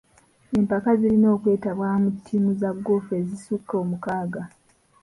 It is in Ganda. Empaka zirina okwetabwamu ttiimu za goofu ezisukka omukaaga.